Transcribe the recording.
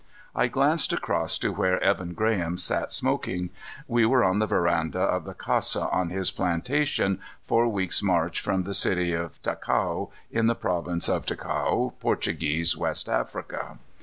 I glanced across to where Evan Graham sat smoking. We were on the veranda of the casa on his plantation, four weeks' march from the city of Ticao, in the province of Ticao, Portuguese West Africa.